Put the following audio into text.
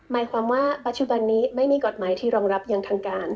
หมายความว่าปัจจุบันนี้ไม่มีกฎหมายที่รองรับอย่างทางการ